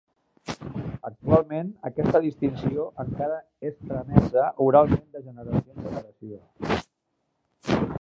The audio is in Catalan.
Actualment, aquesta distinció encara és transmesa oralment de generació en generació.